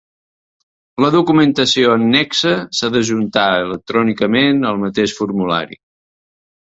La documentació annexa s'ha d'ajuntar electrònicament al mateix formulari.